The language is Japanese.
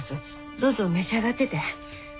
どうぞ召し上がってて。